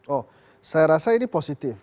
oh saya rasa ini positif